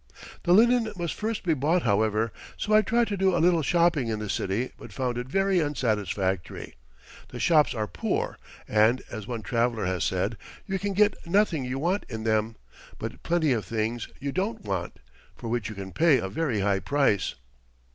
The linen must first be bought, however, so I tried to do a little shopping in the city, but found it very unsatisfactory. The shops are poor, and, as one traveler has said, you can get nothing you want in them, but plenty of things you don't want, for which you can pay a very high price.